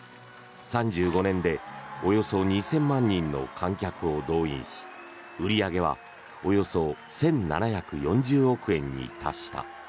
３５年でおよそ２０００万人の観客を動員し売り上げはおよそ１７４０億円に達した。